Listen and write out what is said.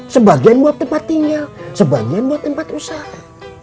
sebagian buat tempat tinggal sebagian buat tempat usaha